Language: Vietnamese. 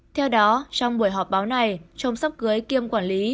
theo đó trong buổi họp báo này trong sắp cưới kiêm quản lý